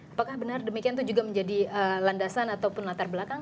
apakah benar demikian itu juga menjadi landasan ataupun latar belakang